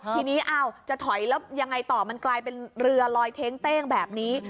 ทีนี้จะถอยแล้วยังไงต่อมันกลายเป็นเรือลอยเท้งเต้งแบบนี้